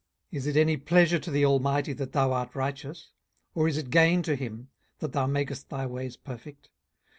18:022:003 Is it any pleasure to the Almighty, that thou art righteous? or is it gain to him, that thou makest thy ways perfect?